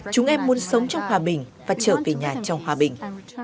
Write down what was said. chúng em muốn sống trong hòa bình và trở về nhà trong hòa bình